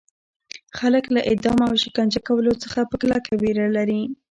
خلک له اعدام او شکنجه کولو څخه په کلکه ویره لري.